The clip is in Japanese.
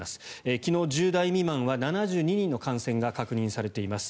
昨日１０代未満は７２人の感染が確認されています。